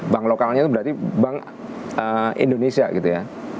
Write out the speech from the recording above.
bank lokalnya itu berarti bank indonesia gitu ya